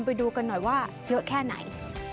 ไปดูกันหน่อยว่าเยอะแค่ไหน